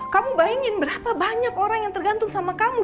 kamu bayangin berapa banyak orang yang tergantung sama kamu